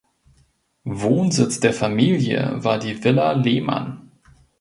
Wohnsitz der Familie war die Villa Lehmann.